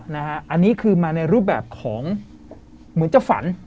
อันนี้คือมาในรูปแบบของเหมือนจะฝัน